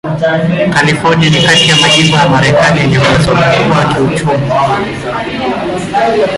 California ni kati ya majimbo ya Marekani yenye uwezo mkubwa wa kiuchumi.